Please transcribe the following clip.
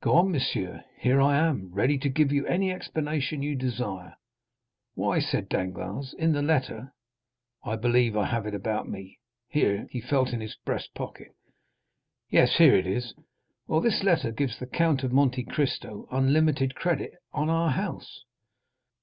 "Go on, monsieur. Here I am, ready to give you any explanation you desire." "Why," said Danglars, "in the letter—I believe I have it about me"—here he felt in his breast pocket—"yes, here it is. Well, this letter gives the Count of Monte Cristo unlimited credit on our house."